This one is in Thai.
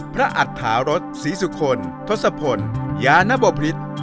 พระอัตภารสศรีสุคลทศพลยานบพฤทธิ์